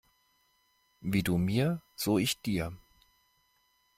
Wie du mir so ich dir.